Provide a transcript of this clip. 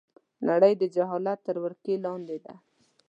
نړۍ د جاهلیت تر ولکې لاندې ده